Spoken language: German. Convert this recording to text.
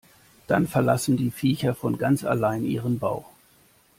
Dann verlassen die Viecher von ganz alleine ihren Bau.